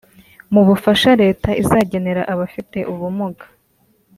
Mu bufasha Leta izagenera abafite ubumuga